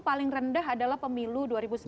paling rendah adalah pemilu